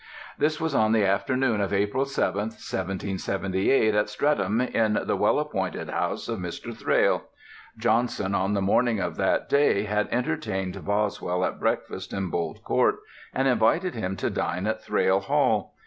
This was on the afternoon of April 7th, 1778, at Streatham, in the well appointed house of Mr. Thrale. Johnson, on the morning of that day, had entertained Boswell at breakfast in Bolt Court, and invited him to dine at Thrale Hall.